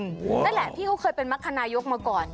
นั่นแหละพี่เขาเคยเป็นมรคนายกมาก่อน